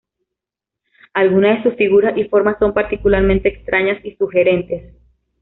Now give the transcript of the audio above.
Algunas de sus figuras y formas son particularmente extrañas y sugerentes.